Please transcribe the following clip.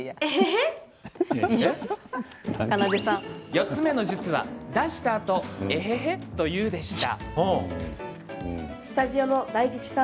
４つ目の術は、出したあと「えへへ」と言うでした。